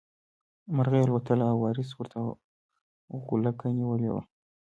مرغۍ الوتله او وارث ورته غولکه نیولې وه.